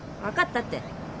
分かったって。